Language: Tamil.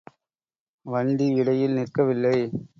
வண்டி இடையில் நிற்கவில்லை.